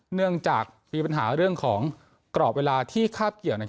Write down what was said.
เนื่องจากมีปัญหาเรื่องของกรอบเวลาที่คาบเกี่ยว